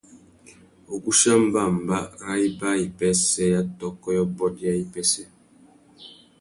Wuguchia mbămbá râ ibāwipêssê ya tôkô yôbôt ya wipêssê.